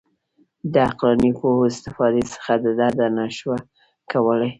د عقلاني پوهو استفادې څخه ډډه نه شو کولای.